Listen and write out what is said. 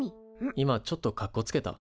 今ちょっとかっこつけた？